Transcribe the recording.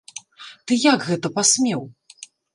Ты як гэта пасмеў?